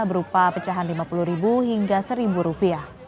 berupa pecahan rp lima puluh hingga rp satu